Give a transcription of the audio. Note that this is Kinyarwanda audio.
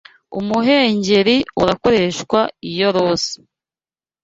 umuhengeri urakoreshwa Iyo roza